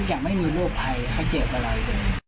ทุกอย่างไม่มีโมบภัยไม่เจ็บอะไร